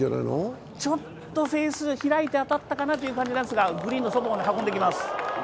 ちょっとフェースが開いて当たったかなという感じなんですが、グリーンのそばまで運んできます。